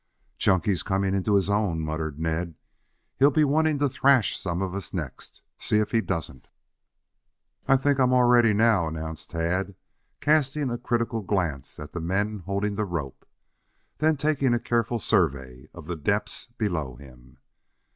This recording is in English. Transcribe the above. "Chunky's coming into his own," muttered Ned. "He'll be wanting to thrash some of us next. See if he doesn't." "I think I am all ready now," announced Tad, casting a critical glance at the men holding the rope, then taking a careful survey of the depths below him.